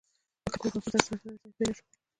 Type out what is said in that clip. له کلکو مخالفتونو سره سره ځای پیدا شو.